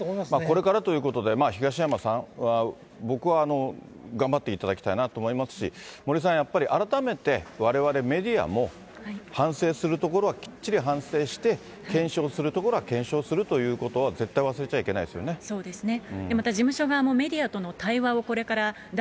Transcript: これからということで、東山さんは僕は頑張っていただきたいなと思いますし、森さん、やっぱり改めてわれわれメディアも、反省するところはきっちり反省して、検証するところは検証するということは絶対忘れちゃいけないですそうですね。